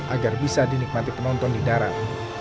agar bisa dinikmati penonton di darat